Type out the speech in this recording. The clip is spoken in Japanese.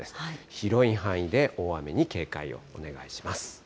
広い範囲で大雨に警戒をお願いします。